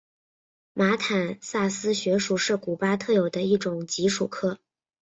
马坦萨斯穴鼠是古巴特有的一种棘鼠科。